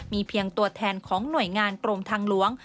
มีเพียงตัวแทนของหน่วยงานกรมทางหลวง